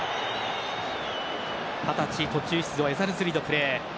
二十歳、途中出場エザルズリのプレー。